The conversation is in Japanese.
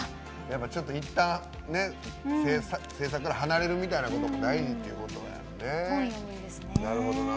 ちょっと、いったん制作から離れるみたいなことも大事っていうことやね。